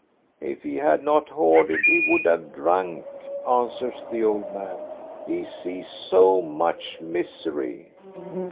*• If he had not hoarded he would have drunk," answers the old man ;" he sees so much misery."